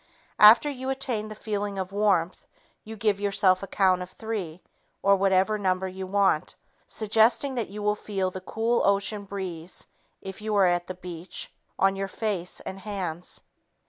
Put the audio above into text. After you attain the feeling of warmth, you give yourself a count of three (or whatever number you want), suggesting that you will feel the cool ocean breeze (if you are at the beach) on your face and hands.